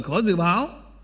khó dự báo